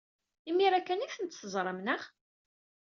Imir-a kan ay ten-teẓram, naɣ?